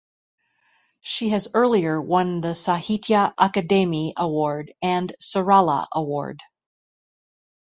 She has earlier won the Sahitya Akademi Award and Sarala Award.